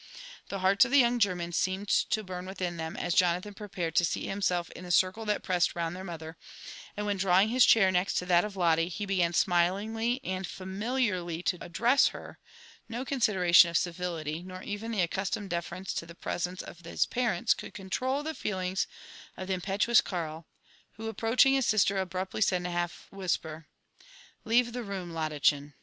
The hearts of the young Germans seemed to burn within them as Jonathan prepared to seat himself in the circle that pressed round their mother ; and when, drawing his chair near to that of Lotte, he began smilingly and fami liarly to address her, no consideration of civility, nor even the ac customed deference to the presence of his parents, could control the feelings of the impetuous Karl, who, approaching his sister abruptly, said in a half whisper, '* Leave the room, Lottchen